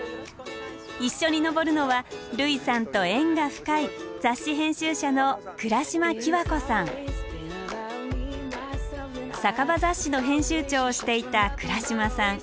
一緒に登るのは類さんと縁が深い酒場雑誌の編集長をしていた倉嶋さん。